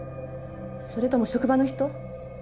それとも職場の人？